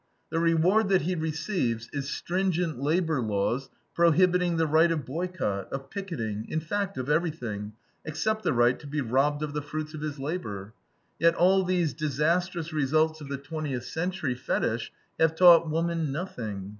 The reward that he receives is stringent labor laws prohibiting the right of boycott, of picketing, in fact, of everything, except the right to be robbed of the fruits of his labor. Yet all these disastrous results of the twentieth century fetich have taught woman nothing.